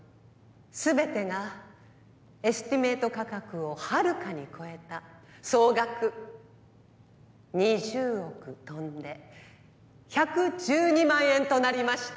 全てがエスティメート価格をはるかに超えた総額２０億とんで１１２万円となりました。